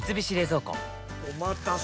おまたせ！